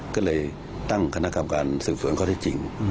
ก็เลยตั้งคณะกรรมการศึกษวนเขาให้จริง